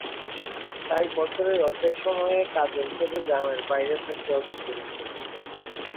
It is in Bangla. তাই বছরের অর্ধেক সময়ই কাজের খোঁজে গ্রামের বাইরে থাকতে হতো পুরুষদের।